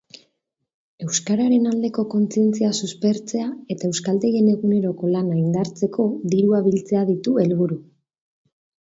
Euskararen aldeko kontzientzia suspertzea eta euskaltegien eguneroko lana indartzeko dirua biltzea ditu helburu.